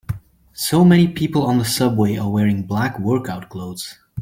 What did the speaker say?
So many people on the subway are wearing black workout clothes.